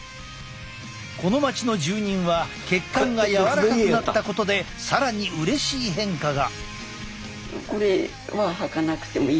この町の住人は血管が柔らかくなったことで更にうれしい変化が。